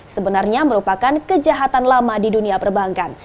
sebenarnya merupakan kejahatan lama di dunia perbankan